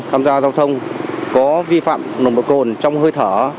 tham gia giao thông có vi phạm nồng độ cồn trong hơi thở